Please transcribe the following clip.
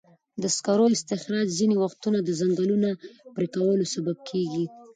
د سکرو استخراج ځینې وختونه د ځنګلونو پرېکولو سبب کېږي.